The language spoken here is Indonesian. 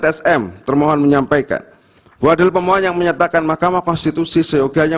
tsm termohon menyampaikan wadel pemohon yang menyatakan mahkamah konstitusi seyoganya